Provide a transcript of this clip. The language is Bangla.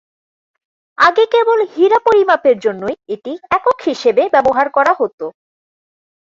আগে কেবল হীরা পরিমাপের জন্যই এটি একক হিসেবে ব্যবহার করা হতো।